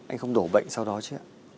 anh không đổ bệnh sau đó chứ